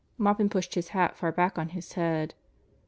Maupin pushed his hat far back on his head.